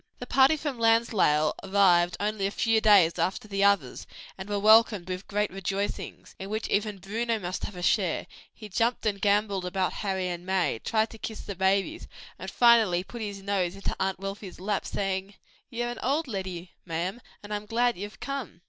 The party from Lansdale arrived only a few days after the others, and were welcomed with great rejoicings, in which even Bruno must have a share: he jumped and gamboled about Harry and May, tried to kiss the babies, and finally put his nose into Aunt Wealthy's lap, saying, "Ye're a dear auld leddy, ma'am, and I'm glad ye've come!"